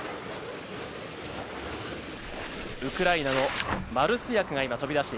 ウクライナのマルスヤク。